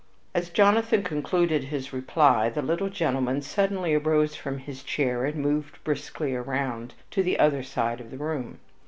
As Jonathan concluded his reply the little gentleman suddenly arose from his chair and moved briskly around to the other side of the room.